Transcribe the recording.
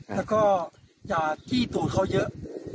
แล้วก็อย่าจี้ตูดเขาเยอะ